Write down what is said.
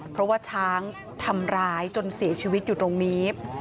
เพราะว่าช้างทำร้ายจนเสียชีวิตอยู่ตรงนี้